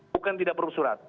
bukan tidak perlu surat